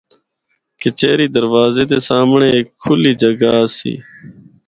کچہری دروازے دے سامنڑیں ہک کھلی جگہ آسی۔